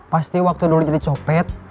pasti waktu dulu jadi copet